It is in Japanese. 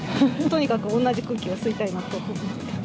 とにかく同じ空気を吸いたいなと思って。